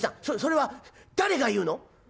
そそれは誰が言うの？」。